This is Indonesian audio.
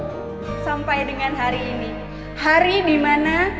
persenjautan dan entwick transmission